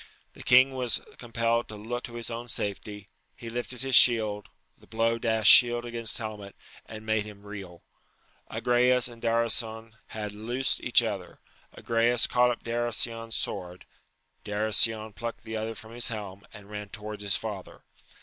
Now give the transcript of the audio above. The king was compelled to look to his own safety ; he lifted his shield, the blow dashed shield against helmet, and made him reel. Agrayes and Darasion had loosed each other : Agrayes caught up Darasion's sword ; Darasion plucked the other from his helm, and ran towards his father.